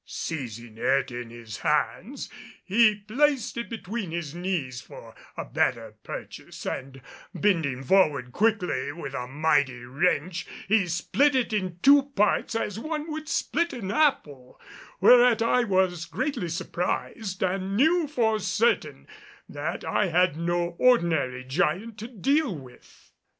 Seizing it in his hands he placed it between his knees for a better purchase and, bending forward quickly, with a mighty wrench, he split it in two parts as one would split an apple; whereat I was greatly surprised, and knew for certain that I had no ordinary giant to deal with.